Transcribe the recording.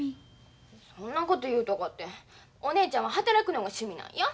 そんなこと言うたかてお姉ちゃんは働くのが趣味なんや。